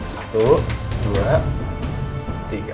satu dua tiga